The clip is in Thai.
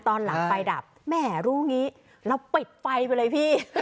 ตอนหลังไฟดับแหมรูงี้แล้วปิดไฟไปเลยพี่